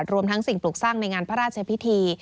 รวมทั้งสิ่งปลูกสร้างในงานพระราชพิธี